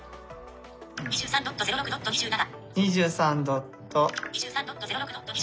「２３ドット０６ドット２７」。